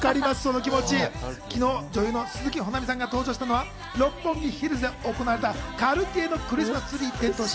女優の鈴木保奈美さんが登場したのは六本木ヒルズで行われたカルティエのクリスマスツリー点灯式。